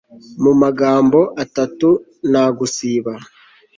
Mu magambo atatu nta gusiba